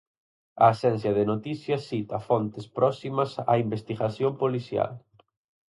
A axencia de noticias cita fontes próximas á investigación policial.